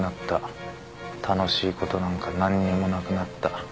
楽しいことなんか何にもなくなった。